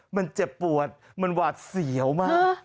มันเจ็บปวดมันหวาดเสียวมาก